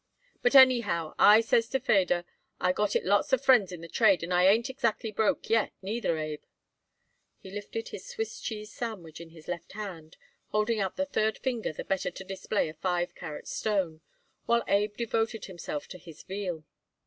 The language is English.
"But anyhow, I says to Feder, I got it lots of friends in the trade, and I ain't exactly broke yet, neither, Abe." He lifted his Swiss cheese sandwich in his left hand, holding out the third finger the better to display a five carat stone, while Abe devoted himself to his veal.